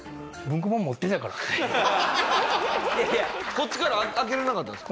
こっちから開けられなかったんですか？